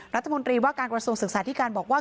รัฐมนตรีว่าการกระทรวงศึกษาธิการบอกว่า